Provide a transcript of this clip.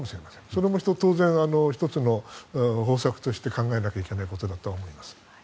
それも当然１つの方策として考えなきゃいけないことだと思います。